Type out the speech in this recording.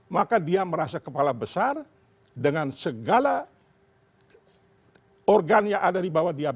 maka dia merasa kepala besar dengan segala organ yang ada di bawah dia